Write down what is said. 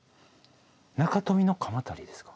中臣鎌足ですか？